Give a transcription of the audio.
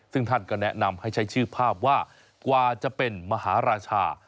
ซึ่งท่านก็แนะนำให้ใช้ชื่อภาพว่ากว่าจะเป็นมหาราชา